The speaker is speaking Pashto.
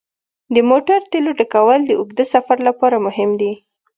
د موټر تیلو ډکول د اوږده سفر لپاره مهم دي.